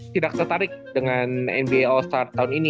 tidak tertarik dengan nba all star tahun ini